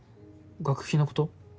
学費のこと？